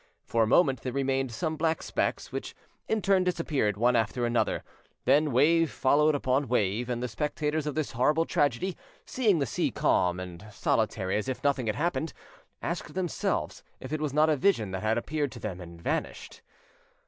For a moment there remained some black specks, which in turn disappeared one after another; then wave followed upon wave, and the spectators of this horrible tragedy, seeing the sea calm and solitary as if nothing had happened, asked themselves if it was not a vision that had appeared to them and vanished.